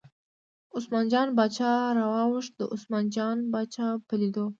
عثمان جان باچا راواوښت، د عثمان جان باچا په لیدو.